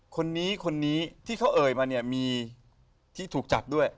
คนนี้คนนี้ที่เขาเอ่ยมาเนี่ยมีที่ถูกจับด้วย